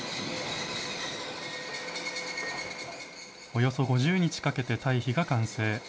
およそ５０日かけて堆肥が完成。